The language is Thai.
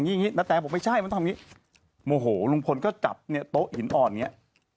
พลิกต๊อกเต็มเสนอหมดเลยพลิกต๊อกเต็มเสนอหมดเลย